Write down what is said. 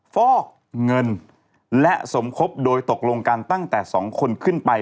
ฟอกเงินและสมคบโดยตกลงกันตั้งแต่๒คนขึ้นไป